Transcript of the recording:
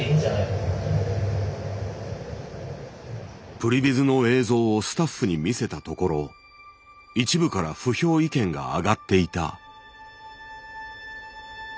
プリヴィズの映像をスタッフに見せたところ一部から不評意見が上がっていた。